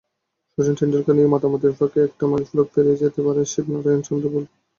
শচীন টেন্ডুলকারকে নিয়ে মাতামাতির ফাঁকে একটা মাইলফলক পেরিয়ে যেতে পারেন শিবনারায়ণ চন্দরপল।